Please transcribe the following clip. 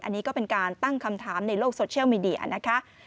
อันนี้ก็เป็นการตั้งคำถามในโลกโซเชียลมีเดียนะคะ